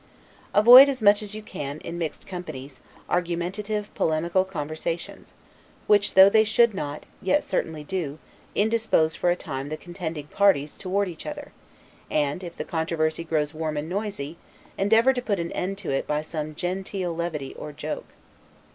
Avoid as much as you can, in mixed companies, argumentative, polemical conversations; which, though they should not, yet certainly do, indispose for a time the contending parties toward each other; and, if the controversy grows warm and noisy, endeavor to put an end to it by some genteel levity or joke.